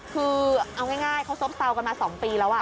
คือเอาง่ายเขาซบเซากันมา๒ปีแล้ว